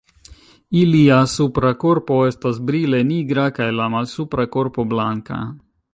Ilia supra korpo estas brile nigra kaj la malsupra korpo blanka.